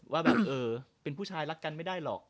ว่าเป็นผู้ชายรักกันไม่ได้หรอก